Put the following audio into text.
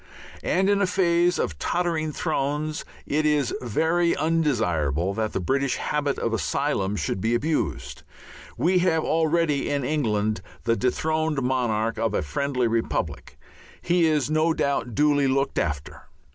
And in a phase of tottering thrones it is very undesirable that the British habit of asylum should be abused. We have already in England the dethroned monarch of a friendly republic; he is no doubt duly looked after.